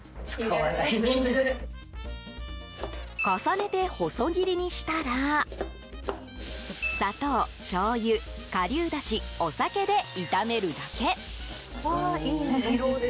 重ねて、細切りにしたら砂糖、しょうゆ、顆粒だしお酒で炒めるだけ。